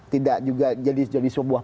tidak juga jadi sebuah